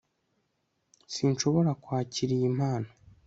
Sinshobora kwakira iyi mpano